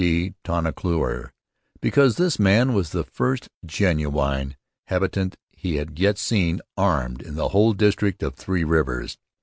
de Tonnancour, because this man was the first genuine habitant he had yet seen armed in the whole district of Three Rivers.